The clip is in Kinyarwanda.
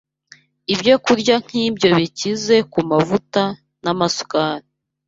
Ibyo kurya nk’ibyo bikize ku mavuta n’amasukari